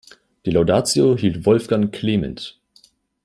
Die Laudatio hielt Wolfgang Clement.